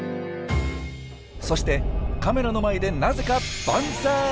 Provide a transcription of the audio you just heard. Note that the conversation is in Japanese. そしてカメラの前でなぜかバンザイ！